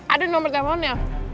ada nomer teleponnya